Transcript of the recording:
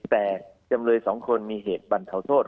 แต่จำเลย๒คนมีเหตุบรรเทาโทษ